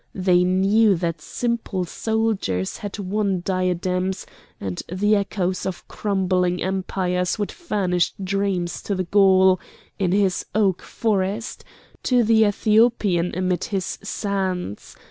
They knew that simple soldiers had worn diadems, and the echoes of crumbling empires would furnish dreams to the Gaul in his oak forest, to the Ethiopian amid his sands.